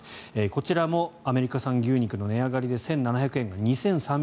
こちらもアメリカ産牛肉の値上がりで１７００円が２３００円。